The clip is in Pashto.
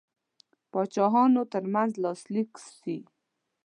پاچاهانو ترمنځ لاسلیک سي.